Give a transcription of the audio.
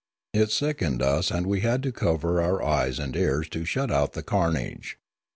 It sickened us and we had to cover our eyes and ears to shut out the carnage.